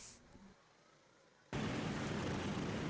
sebelumnya polisi yang bersiaga langsung menghalau pengunjuk rasa